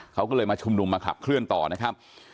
เขาก็เลยมาชุมนุมมาขับเคลื่อนต่อนะครับ